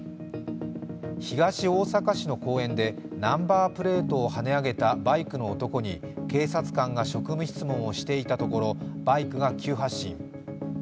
東大阪市の公園で、ナンバープレートをはね上げたバイクの男に警察官が職務質問をしていたところ、バイクが急発進。